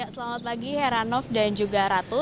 selamat pagi heranov dan juga ratu